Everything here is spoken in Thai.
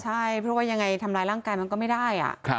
ใช่เพราะว่ายังไงทำร้ายร่างกายมันก็ไม่ได้